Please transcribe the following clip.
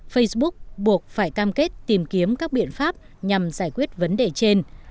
facebook buộc phải cam kết tìm kiếm các biện pháp nhằm giải quyết vấn đề trên